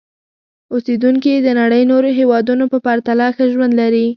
اوسېدونکي یې د نړۍ نورو هېوادونو په پرتله ښه ژوند لري.